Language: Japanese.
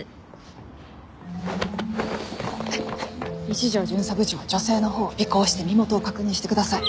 一条巡査部長は女性のほうを尾行して身元を確認してください。